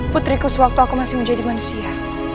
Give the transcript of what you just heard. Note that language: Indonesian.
putriku sewaktu aku masih menjadi manusia